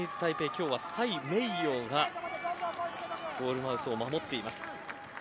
今日はサイ・メイヨウがゴールマウスを守っています。